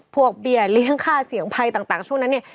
พวกเบียนเลี้ยงค่าเสี่ยงภัยต่างช่วงนั้น